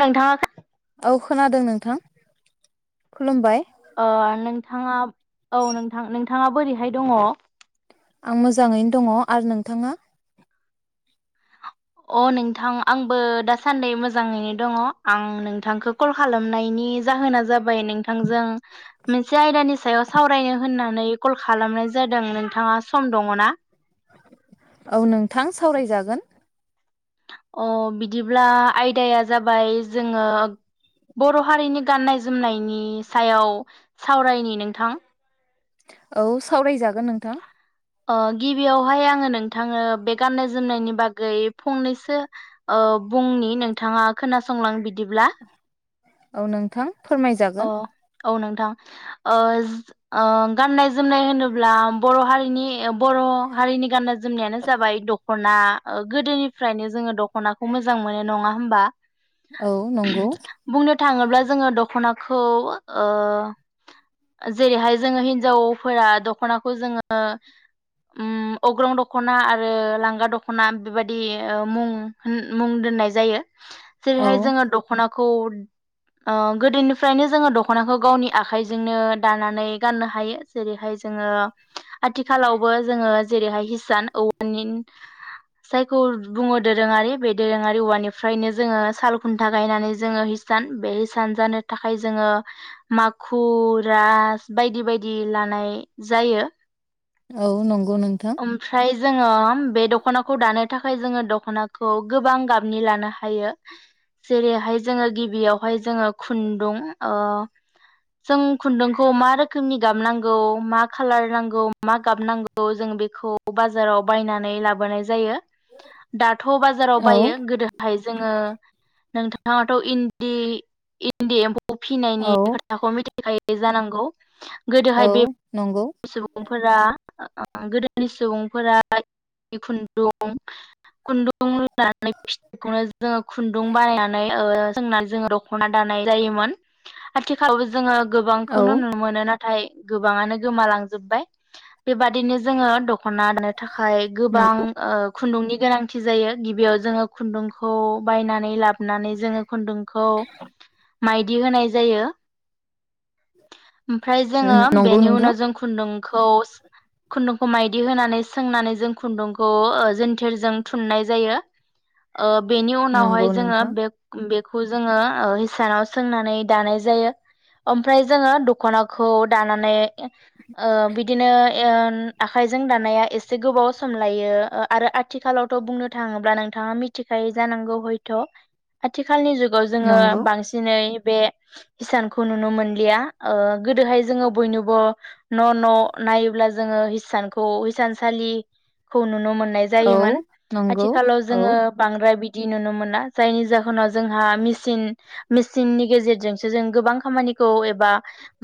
नोंथाङा औ खोनादों नोंथां खुलुमबाय अ नोंथाङा औ नोंथां नोंथाङा बोरैहाय दङ आं मोजाङैनो दङ आरो नोंथाङा अ नोंथां आंबो दासान्दै मोजाङैनो दङ आं नोंथांखौ कल खालामनायनि जाहोना जाबाय नोंथांजों मिनसे आयदानि सायाव सावरायनो होननानै कल खालामनाय जादों नोंथाङा सम दङ ना औ नोंथां सावरायजागोन अ बिदिब्ला आयदाया जाबाय जोङो बर' हारिनि गाननाय जोमनायनि सायाव सावरायनि नोंथां औ सावरायजागोन नोंथां अ गिबियावहाय आङो नोंथांनो बे गाननाय जोमनायनि बागै फंनैसो बुंनि नोंथाङा खोनासंलां बिदिब्ला औ नोंथां अ फोरमायजागोन औ नोंथां ओ ज ओ गाननाय जोमनाय होनोब्ला बर' हारिनि बर' हारिनि गाननाय जोमनायानो जाबाय दख'ना ओ गोदोनिफ्रायनो जोङो दख'नाखौ मोजां मोनो नङा होमबा औ नंगौ बुंनो थाङोब्ला जोङो द दख'नाखौ ओ जेरैहाय जोङो हिनजावफोरा दख'नाखौ जोङो उम अग्रं दख दख'ना आरो लांगा दख'ना बेबायाददि मुं होन मुं दोननाय जायो औ जेरैहाय जोङो दख'नाखौ खौ ओ गोदोनिफ्रायनो जोङो दख'नाखौ गावनि आखाइजोंनो दानानै गाननो हायो जेरैहाय जोङो आथिखालावबो जोङो जेरैहाय हिसान औवानि जायखौ बुङो दोरोङारि बे दोरोङारि औवानिफ्रायनो जोङो साल खुन्था गायनानै जोङो हिसान बे हिसान जानो थाखाय जोङो माखु रास बायदि बायदि लानाय जायो औ नं ओमफ्राय जोङो बे दख'नाखौ दानो थाखाय जोङो दख'नाखौ गोबां गाबनि लानो हायो जेरैहाय जोङो गिबियावहाय जोङो खुन्दुं ओ जों खुन्दुंखौ मा रोखोमनि गाबनांगौ मा कलार नांगौ मा गाबनांगौ जों बेखौ बाजाराव बायनानै लाबोनाय जायो दा थ' बाजाराव औ बायो गोदोहाय जोङो नोंथां नाथ' इड इडि [unintelligible] फिनायनि औ खोथाखौ मिथि बेखायै जानांगौ गोदोहाय औ बे नंगौ सुबुंफोरा गोदोनि सुबुंफोरा खुन्दुं खुन्दुं लुनानै फिखौनो जोङो खुन्दुं बानायनानै ओ जोंनानै जोङो दख'ना दानाय जायोमोन आथिखालाव जोङो औ गोबांखौनो नुनो मोनो नाथाय नाथाय गोबाङानो गोमालांजोब्बाय बेबादि बिदिनो जोङो हनना दानो थाखाय गोबां नंगौ ओ खुन्दुंनि गोनांथि जायो गिबियाव जोङो खुन्दुंखौ बायनानै लाबोनानै जोङो खुन्दुंखौ माइदि होनाय जायो ओमफ्राय जोङो नंगौ बेनि नोंथां उनाव जों खुन्दुं खौ खुन्दुंखौ मायदि होनानै सोंनानै जों खुन्दुंखौ जन्थेरजों थुननाय जायो ओ बेनि उनावहाय नंगौ जोङो नोंथां बे बे बे खौ जोङो हिसानाव सोंनानै दानाय जायो ओमफ्राय जोङो दख'नाखौ दानानै ओ बिदिनो। [inaudible] आखाइजों दानाया एसे गोबाव सम लायो आरो आथिखालावथ' बुंनो थाङोब्ला नोंथाङा मिथिखायो जानांगौ हयथ' आथिखालनि ओ जोङो नंगौ बांसिनै बे हिसानखौ नुनो मोनलिया ओ गोदोहाय जोङो बयनिबो न' न' नायोब्ला जोङो हिसानखौ हसानसालिखौ नुनो मोनो नाय औ जायोमोन नंगौ आथिखालाव औ जोङो बांद्राय बि दि नुनो मोना जायनि जाहोनाव जोंहा मेसिन मेसिननि गेजेरजोंसो जों गोबां खामानिखौ एबा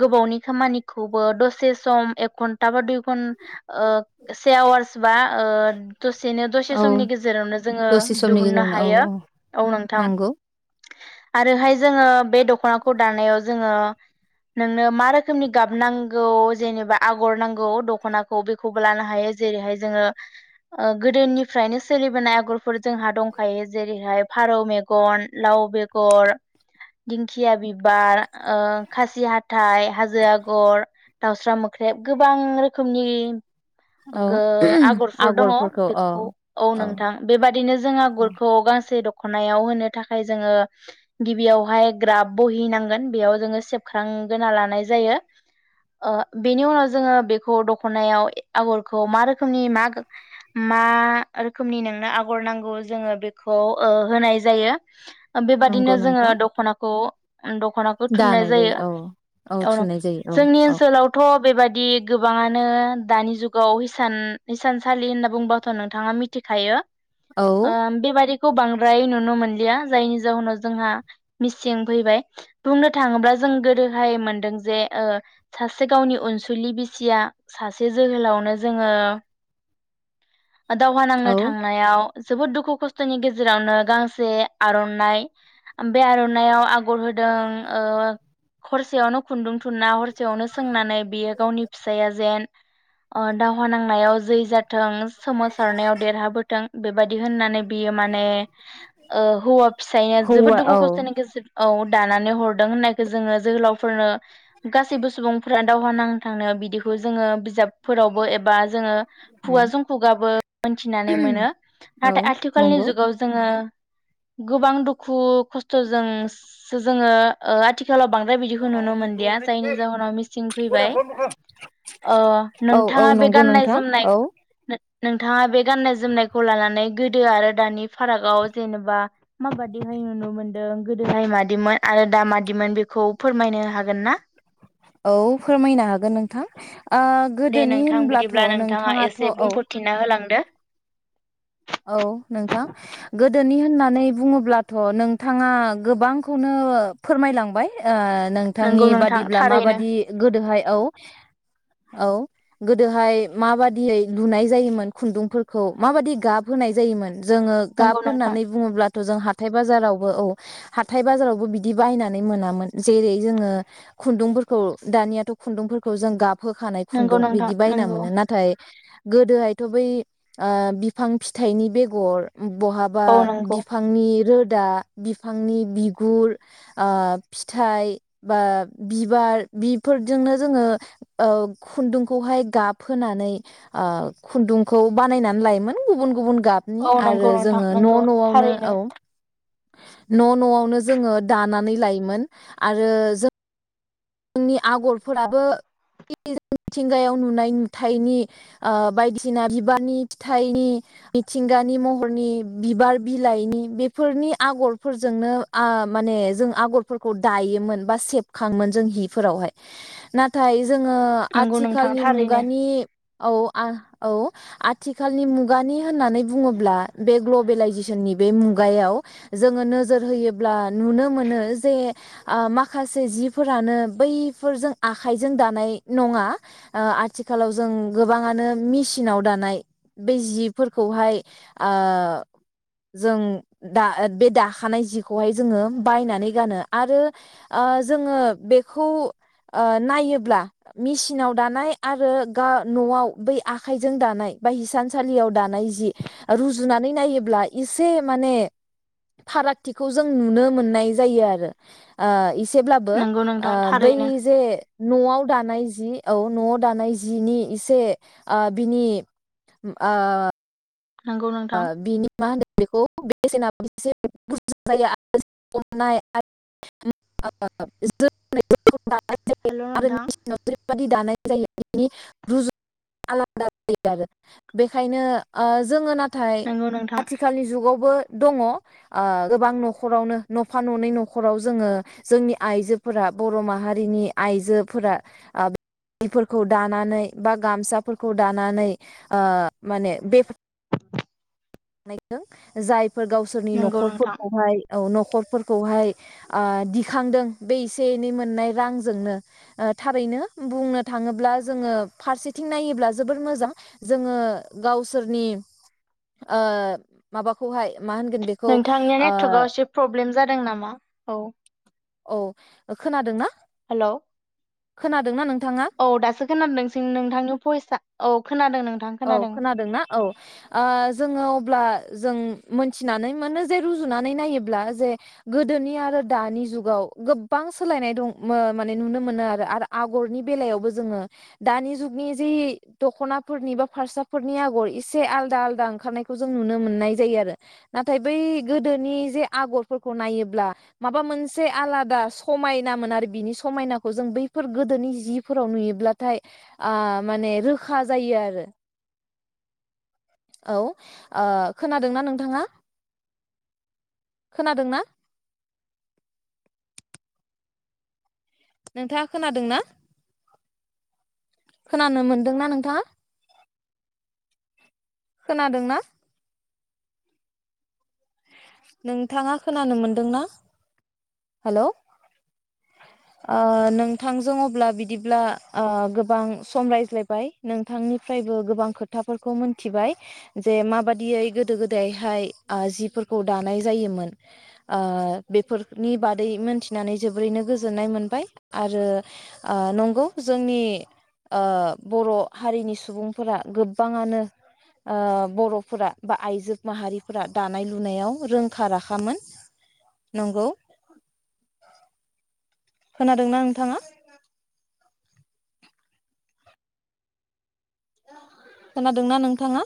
गोबावनि खामानिखौबो दसे सम एक घन्टा बा दुइ घन्टा ओ से आवार्स बा ओ दसेनो दसे औ समनि गेजेरावनो जोङो दसे समनि दिहुननो गेजेरावनो औ हायो औ औ नोंथां नंगौ आरोहाय जोङो बे द ख'नाखौ दानायाव जोङो नोंनो मा रोखोमनि गाब नांगौ जेनेबा आगर नांगौ दख'ना बेखौबो लानो हायो जेरैहाय जोङो ओ गोदोनिफ्रायनो सोलिबोनाय आगरफोर जोंहा दंखायो जेरैहाय फारौ मेगन लाव बेगर दिंखिया बिबार खासि हाथाइ हाजो आगर दाउस्रा मोख्रेब गोबां रोखोमनि उम औ ओ आगरफोर दङ आगरफोरखौ औ बेखौ औ नोंथां बेबादिनो जों औ आगरखौ गांसे द दखनायाव होनो थाखाय जोङो गिबियावहाय ग्राफ बहि नांगोन बेयाव जोङो सेबखांगोरना लानाय जायो ओ बेनि उनाव जोङो बेखौ खनायाव आगरखौ मा रोखोमनि मा मा रोखोमनि नोंनो आगर नांगौ जोङो बेखौ ओ होनाय जायो नंगौ बेबादिनो जोङो नोंथां दखनाखौ दख'नाखौ थुननाय औ जायो थुननाय जायो जोंनि औ ओनसोलावथ' बेबायदि गोबाङानो नो दानि जुगाव हिसानसालि होनना बुंबाथ' नोंथाङा मिथिखायो औ ओ बेबादि खौ बांद्राय नुनो मोनलिया जायनि जाहोनाव जोंहा मिसिं फैबाय बुंनो थाङोब्ला जों गोदोहाय मोनदों जे सासे गावनि अनसुलि बिसिया सासे जोहोलावनो जोङो दावहा नांनो औ थांनायाव जोबोद दुखु खस्थ खस्थ'नि गेजेरावनो गांसे आर'नाइ बे आर'नाइआव आगर दों ओ हरसेयावनो खुन्दुं थुनना हरसेयावनो सोंनानै बियो गावनि फिसाया अ दा हा नांनायाव जै जाथों सोमावसारनायाव देरहाबोथों बेबायदि दि होननानै बियो माने ओ हौवा फिसाया जोबोद हौवा दुखु औ खस्थ'नि गेजेर औ दानानै हरदों होननायखौ जोङो जोहोलावफोरनो गासैबो सुबुंफोरानो दावहा नां थांनायाव खौ जोङो बिजाबफोरावबो एबा जोङो उम खुगाजों खुगाबो मोनथिनानै मोनो औ नाथाय आथिखालनि नंगौ जुगाव जोङो गोबां दुखु खस्थ'जोंसो जोङो ओ आथिखालाव बांद्राय बिदिखौ नुनो मोनलिया जायनि जाहोनाव मिसिं फैबाय ओ औ औ नोंथाङा बे नंगौ गाननाय नोंथां जोमनाय औ नोंथाङा बे गाननाय जोमनायखौ लानानै गोदो आरो दानि फारागआव जेनेबा माबादिहाय नुनो मोनदों गोदोहाय मादिमोन आरो दामादिमोन बेखौ फोरमायनो हागोन ना औ फोरमायनो हागोन नोंथां ओ दे गोदोनि नोंथां होनब्लाथ' बिदिब्ला नोंथाङा नोंथाङाथ' एसे औ बुंफोरथिना होलांदो औ नोंथां गोदोनि होननानै बुङोब्लाथ' नोंथाङा गोबांखौनो फोरमायलांबाय ओ नोंथांनि नंगौ नोंथां बादिब्ला थारैनो माबादि गोदोहाय औ औ गोदोहाय माबादियै लुनाय जायोमोन खुन्दुंफोरखौ माबादि गाब होनाय जायोमोन जोङो गाब नंगौ नोंथां होननानै बुङोब्ला जों हाथाय बाजारावबो औ हाथाय बाजारावबो बिदि बायनानै मोनामोन जेरै जोङो खुन्दुंफोरखौ दानियाथ' खुन्दुंफोरखौ जों गाब होखानाय नंगौ खुन्दुं नोंथां बिदि बायना नंगौ मोनो नाथाय गोदोहायथ' बै ओ बिफां फिथाइनि बेगर बहाबा औ नंगौ बिफांनि रोद दा बिफांनि बिगुर ओ फिथाइ बा बिबार बिफोरजोंनो जोङो ओ खुन्दुंखौहाय गाबहोनानै ओ खुन्दुंखौ बानायनानै लायोमोन गुबुन गुबुन गाबनि औ आरो नंगौ जोङो नोंथां न' नंगौ न'आवनो थारैनो औ न' न'आवनो जोङो दानानै लायोमोन आरो जों जोंनि आगरफोराबो [unintelligible] मिथिंगायाव नुनाय नुथनि ओ बायदिसिना बिबारनि फिथाइनि मिथिंगानि महरनि बिबार बिलाइनि बेफोरनि आगरफोरजोंनो आ माने जों आगरफोरखौ दायोमोन बा सेबखाङो जों हि फोरावहाय नाथाय जोङो नंगौ नोंथां आथिखालनि थारैनो मुगानि औ आ औ आथिखालनि मुगानि होननानै बुङोब्ला बे ग्लबेलाइजेसननि बे मुगायाव जोङो नोजोर होयोब्ला नुनो मोनो जे आ माखासे जि फोरानो बैफोरजों आखाइजों दानाय नङा ओ आथिखालाव जों गोबाङानो मेसिनाव दानाय बै जिफोरखौहाय ओ जों दा बे दाखानाय जिखौहाय जोङो बायनानै गानो आरो आ जोङो बेखौ ओ नायोब्ला मेसिनाव दानाय आरो गा न'आव बै आखाइजों दानाय बा हिसानसालियाव दानाय जि रुजुनानै नायोब्ला एसे माने फारागथिखौ जों नुनो मोननाय जायो आरो ओ एस एसेब्लाबो नंगौ ओ नोंथां बै थारैनो जे न'आव दानाय जि औ न'आव दानाय जिनि इसे आ बिनि आ नंगौ नोंथां आं बिनि मा होनो बेखौ [unintelligible] हेल' नोंथां [unintelligible] खायनो ओ जोङो ओक्षना थाय नंगौ नोंथां आथिखालनि जुगावबो दङ ओ गोबां नखरावनो नफा ननै नखराव जोङो जोंनि आइजोफोरा बर माहारिनि आइजोफोरा फोरखौ दानानै बा गामसाफोरखौ दानानै ओ माने बे [unintelligible] जाय फोर गावसोरनि नंगौ नोंथां नखरफोरखौहाय औ नखरफोरखौहाय ओ दिखांदों बे एसे एनै मोननाय रांजोंनो ओ थारैनो बुंनो थाङोब्ला जोङो फारसेथिं नायोब्ला जोबोर मोजां जोङो गावसोरनि ओ माबाखौहाय मा होनगोन बेखौ नोंथांनि नेटवारका एसे प्रब्लेम जादों नामा औ औ खोनादों ना हेलौ खोनादों ना नों औ दासो खोनादों नोंसो नोंथांनि भयिसा औ खोनादों नोंथां औ खोनादों। खोनादोंना औ ओ जोङो अब्ला जों मोनथिनानै मोनो जे रुजुनानै नायोब्ला जे गोदोनि आरो दानि जुगाव गोबां सोलायनाय दं मो-माने नुनो मोनो आरो आरो आगरनि बेलायावबो जोङो दानि जुगनि जे दखनाफोरनि बा फारसाफोरनि आगर एसे आलदा आलदा ओंखारनायखौ जों नुनो मोननाय जायो आरो नाथाय बै गोदोनि जे आगरफोरखौ नायोब्ला माबा मोनसे आलादा समायनामोन आरो बिनि समायनाखौ जों बैफोर गोदोनि जिफोराव नुयोब्लाथाय ओ माने रोखा जायो आरो औ ओ खोनादोंना नोंथाङा खोनादोंना नोंथाङा खोनादोंना खोनानो मोनदोंना नोंथाङा खोनादोंना नोंथाङा खोनानो मोनदोंना हेलौ ओ नोंथांजों अब्ला बिदिब्ला ओ गोबां सम रायज्लायबाय नोंथांनिफ्रायबो गोबां खोथाफोरखौ मिथिबाय जे माबादियै गोदो गोदायहाय ओ जिफोरखौ दानाय जायोमोन ओ बेफोर नि बादै मोनथिनानै जोबोरैनो गोजोननाय मोनबाय आरो ओ नंगौ जोंनि ओ बर हारिनि सुबुंफोरा गोबाङानो ओ बरफोरा बा आइजो माहारिफोरा दानाय लुनायाव रोंखा राखामोन नंगौ खोनादोंना नोंथाङा खोनादोंना नोंथाङा